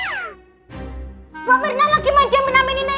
bapak mirna lagi main diamin amininnya